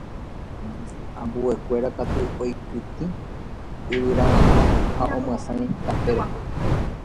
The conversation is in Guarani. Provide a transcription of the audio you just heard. ambuekuéra katu oikytĩ yvyrarakã ha omyasãi tape rehe